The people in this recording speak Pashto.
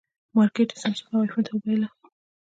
مارکېټ یې سامسونګ او ایفون ته وبایله.